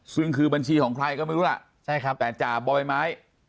ซึ่งคือบัญชีของใครก็ไม่รู้ล่ะใช่ครับแต่จ่าบอยไม้